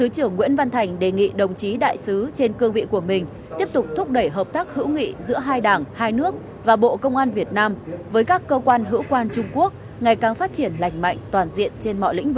các bạn hãy đăng ký kênh để ủng hộ kênh của chúng mình nhé